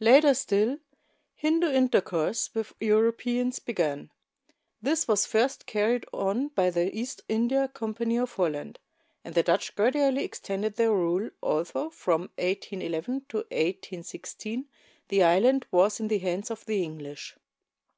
Later still, Hindu intercourse with Europeans began. This was first carried on by the East India Company of Holland; and the Dutch gradually extended their rule, although from 1811 to 1816 the island was in the hands of the English.